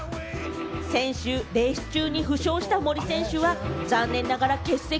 先週レース中に負傷した森選手は残念ながら欠席。